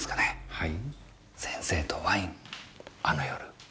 はい。